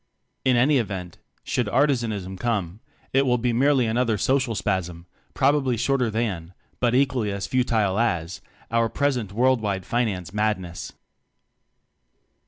In any event, should Artizanism come, it will be merely another social spasm, probably shorter than, but equally as futile as, our present world wide finance madness.